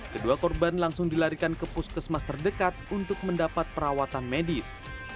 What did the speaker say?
kedua korban langsung dilarikan ke puskesmas terdekat untuk mendapat perawatan medis